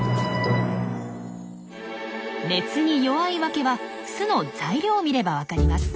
熱に弱い訳は巣の材料を見れば分かります。